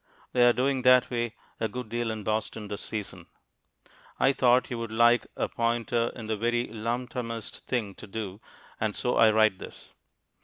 They are doing that way a good deal in Boston this season. I thought you would like a pointer in the very lum tumest thing to do, and so I write this.